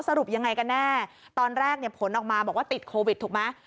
สรุปยังไงกันแน่ตอนแรกเนี่ยผลออกมาบอกว่าติดโควิดถูกไหม